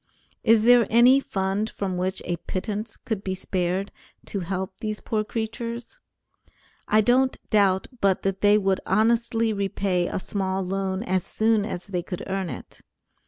Is there any fund from which a pittance could be spared to help these poor creatures? I don't doubt but that they would honestly repay a small loan as soon as they could earn it.